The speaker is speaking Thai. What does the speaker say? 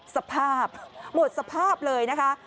สภาพหมดสภาพเลยนะคะ